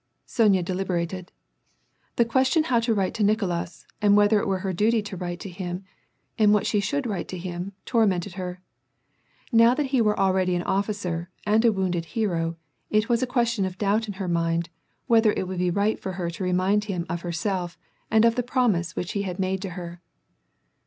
Sonya deliberated. The question how to write to Nicolas, and whether it were her duty to write to him, and what she should write to him, tormented her. Now that he were already an officer, and a wounded hero, it was a question of doubt in her mind, whether it would be right for her to remind him of herself, and of the promise which he had made her.